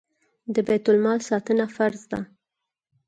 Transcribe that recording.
د بیت المال ساتنه فرض ده